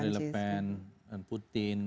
marie le pen dan putin